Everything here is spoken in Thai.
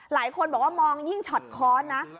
หลายคนบอกว่ามองยิ่งช็อตค้อนนะ